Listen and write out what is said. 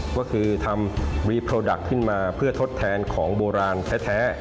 ก็คือทำวีโปรดักต์ขึ้นมาเพื่อทดแทนของโบราณแท้